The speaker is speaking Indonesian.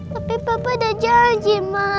tapi papa ada janji ma